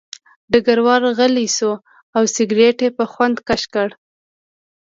ډګروال غلی شو او سګرټ یې په خوند کش کړ